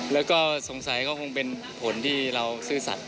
แล้วก็สงสัยก็คงเป็นผลที่เราซื่อสัตว